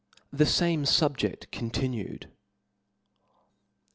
7 he fame SubjeSt continued.